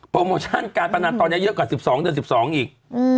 โมชั่นการพนันตอนนี้เยอะกว่า๑๒เดือน๑๒อีก